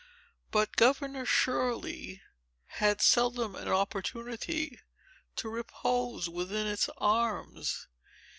But, Governor Shirley had seldom an opportunity to repose within its arms.